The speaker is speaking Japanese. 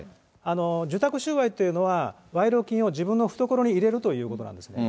受託収賄というのは、賄賂金を自分の懐に入れるというものなんです。